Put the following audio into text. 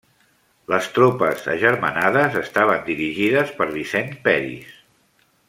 Les tropes agermanades estaven dirigides per Vicent Peris.